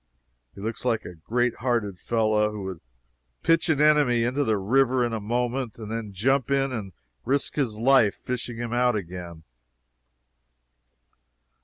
He looks like a great hearted fellow who would pitch an enemy into the river in a moment, and then jump in and risk his life fishing him out again.